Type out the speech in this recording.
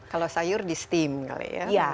kalau sayur di steam kali ya